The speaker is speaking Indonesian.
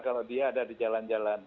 kalau dia ada di jalan jalan